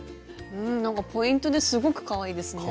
うんなんかポイントですごくかわいいですね。